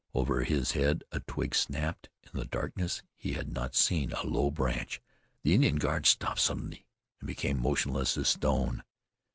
Over his head a twig snapped. In the darkness he had not seen a low branch. The Indian guards stopped suddenly, and became motionless as stone.